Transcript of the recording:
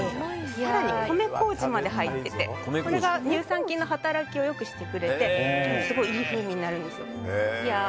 更に、米こうじまで入っていてこれが乳酸菌の働きを良くしてくれてすごくいい風味になるんです。